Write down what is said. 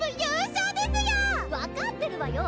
分かってるわよ